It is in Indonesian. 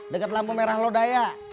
deket lampu merah lodaya